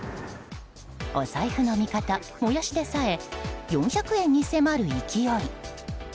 お財布の味方、モヤシでさえ４００円に迫る勢い。